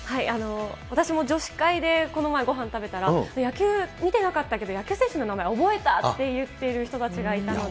私も女子会で、この前ごはん食べたら、野球見てなかったけど、野球選手の名前覚えたって言ってる人たちがいたので。